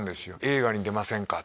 映画に出ませんか？